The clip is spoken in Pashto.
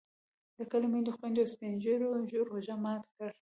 د کلي میندو، خویندو او سپین ږیرو روژه ماته کړه.